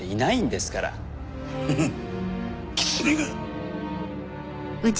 フフッ狐が。